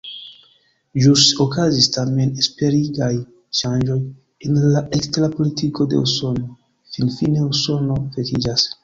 Ĵus okazis tamen esperigaj ŝanĝoj en la ekstera politiko de Usono: finfine Usono vekiĝas.